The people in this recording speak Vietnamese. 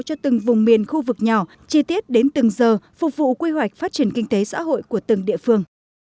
cho từng vùng miền khu vực nhỏ chi tiết đến từng giờ phục vụ quy hoạch phát triển kinh tế xã hội của từng địa phương